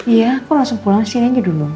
iya aku langsung pulang sini aja dulu